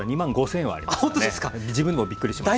自分でもびっくりしました。